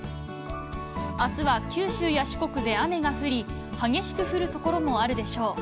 あすは九州や四国で雨が降り、激しく降る所もあるでしょう。